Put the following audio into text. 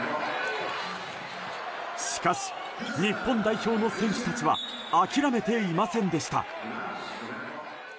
しかし、日本代表の選手たちは諦めていませんでした。